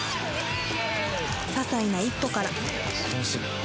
ささいな一歩から